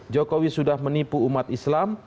jokowi sudah menipu umat islam